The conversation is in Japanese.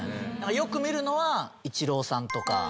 よく見るのはイチローさんとか。